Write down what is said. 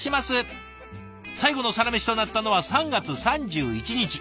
最後のサラメシとなったのは３月３１日。